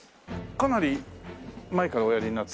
かなり前からおやりになって。